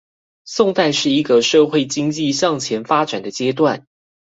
宋代是一個社會經濟向前發展的階段